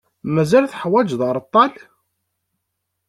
Mazal teḥwaǧeḍ areṭṭal?